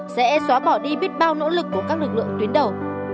sẽ xóa bỏ đi biết bao nỗ lực của các lực lượng tuyến đầu